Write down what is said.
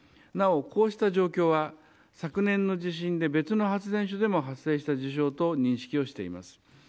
なお、こうした状況は昨年の地震で別の発電所でも発生した事象と認識をしています。